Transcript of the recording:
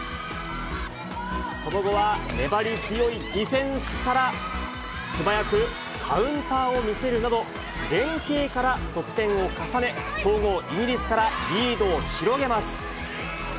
その後は粘り強いディフェンスから、素早くカウンターを見せるなど、連係から得点を重ね、強豪、イギリスからリードを広げます。